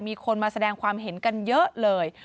มีคนมาแสดงความเห็นกันเยอะเลย